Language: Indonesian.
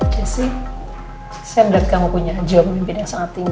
dia datang sama keluarga alvari dan bu anding bos